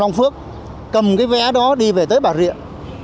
bình phước cầm cái vé đó đi về tới bà riện